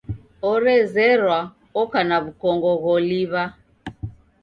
Orezerwa oka na w'ukongo gholiw'a?